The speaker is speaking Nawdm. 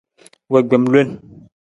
Wa gbem lon.